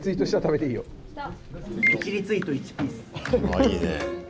あいいね。